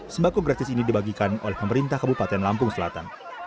sembako gratis ini dibagikan oleh pemerintah kabupaten lampung selatan